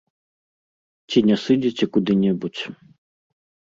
Ці не сыдзеце куды-небудзь.